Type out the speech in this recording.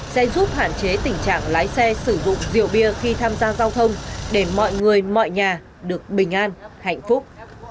sẽ giúp hạn chế tình trạng lái xe sử dụng rượu bia khi tham gia giao thông để mọi người mọi nhà được bình an hạnh phúc